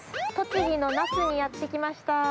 栃木の那須にやってきました。